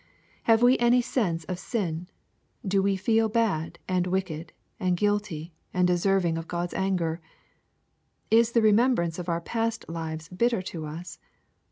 Have we any sense of sin ? Do we feel bad, and wicked, and guilty, and deserving of God's anger ? Is the remembrance of our past lives bitter to us